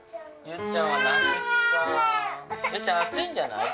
ゆっちゃん暑いんじゃない？